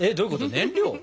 燃料？